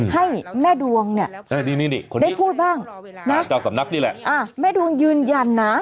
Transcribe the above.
ให้แม่ดวงเนี่ยได้พูดบ้างนะเจ้าสำนักนี่แหละแม่ดวงยืนยันนะ